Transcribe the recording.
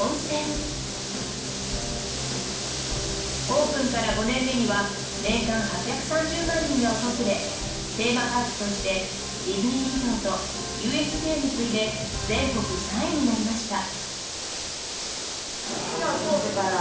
オープンから５年目には年間８３０万人が訪れテーマパークとしてディズニーリゾートＵＳＪに次いで全国３位になりました。